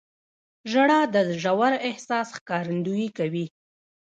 • ژړا د ژور احساس ښکارندویي کوي.